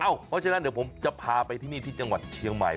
เพราะฉะนั้นเดี๋ยวผมจะพาไปที่นี่ที่จังหวัดเชียงใหม่